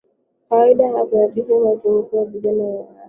Kawaida huyakutanisha makundi ya vijana na wanawake